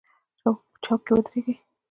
چوک کې ودرېږئ